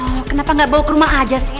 oh kenapa nggak bawa ke rumah aja sih